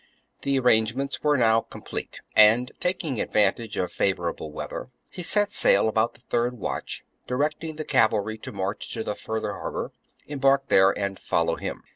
23. The arrangements were now complete; and, taking advantage of favourable weather, he set sail about the third watch, directing the cavalry to march to the further harbour, embark there, and follow him.